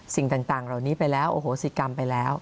สิ่งต่างเหล่านี้ไปแล้วโอโหสิกรรมไปแล้ว